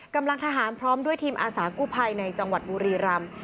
กำลังทหารพร้อมด้วยทีมอาสากู้ภัยในจังหวัดบุรีรำ